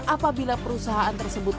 apabila perusahaan tersebut